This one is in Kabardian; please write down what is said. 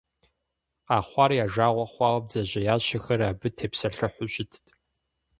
Къэхъуар я жагъуэ хъуауэ бдзэжьеящэхэр абы тепсэлъыхьу щытт.